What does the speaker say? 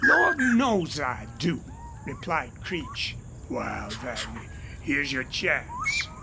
"Lord knows, I do," replied Creech. "Wal, then, here's your chance.